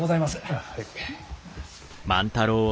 ああはい。